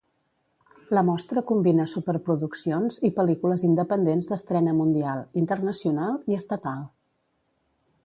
La mostra combina superproduccions i pel·lícules independents d'estrena mundial, internacional i estatal.